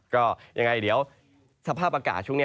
ก็ยังไงเดี๋ยวสภาพอากาศช่วงนี้